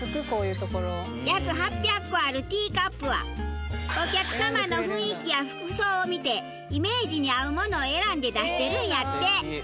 約８００個あるティーカップはお客様の雰囲気や服装を見てイメージに合うものを選んで出してるんやって。